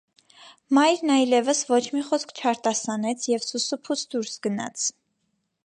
Մայրն այլևս ոչ մի խոսք չարտասանեց և սուս ու փուս դուրս գնաց: